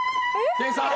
店員さん！